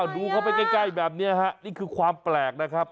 ดูเข้าไปใกล้แบบนี้ฮะนี่คือความแปลกนะครับ